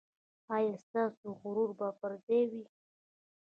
ایا ستاسو غرور به پر ځای وي؟